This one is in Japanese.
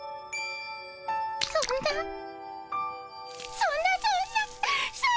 そんなそんなそんなそんな！